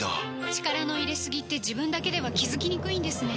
力の入れすぎって自分だけでは気付きにくいんですね